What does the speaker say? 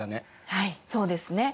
はいそうですね。